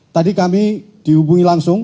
tadi kami dihubungi langsung